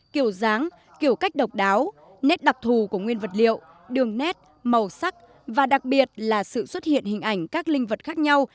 kiểu dáng kiểu cách độc đáo nét đặc thù của nguyên vật liệu đường nét màu sắc và đặc biệt là sự xuất hiện hình ảnh các linh vật khác nhau